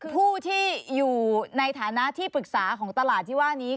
ผู้ที่อยู่ในฐานะที่ปรึกษาของตลาดที่ว่านี้